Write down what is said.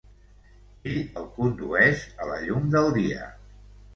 Ell el condueix a la llum del dia.